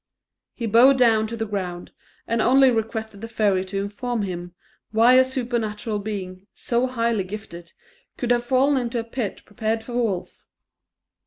He bowed down to the ground, and only requested the fairy to inform him, why a supernatural being, so highly gifted, could have fallen into a pit prepared for wolves.